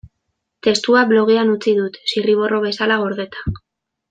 Testua blogean utzi dut, zirriborro bezala gordeta.